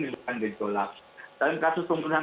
diusulkan dan disolak dalam kasus pembunuhan